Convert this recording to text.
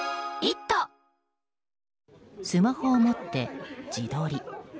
スマホを持って自撮り。